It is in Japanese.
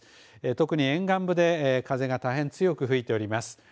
特に沿岸部で風が大変強く吹いております。